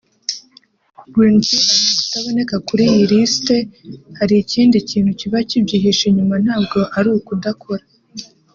Green P ati “ Kutaboneka kuri iriya list hari ikindi kintu kiba kibyihishe inyuma ntabwo ari ukudakora